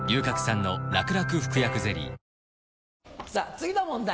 次の問題